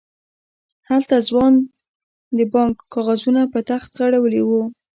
هلته ځوان د بانک کاغذونه په تخت غړولي وو.